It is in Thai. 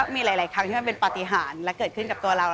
ที่เป็นปฏิหารเกิดขึ้นกับเรา